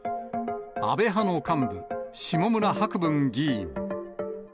安倍派の幹部、下村博文議員。